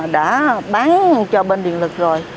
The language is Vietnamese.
đã bán cho bên điện lực rồi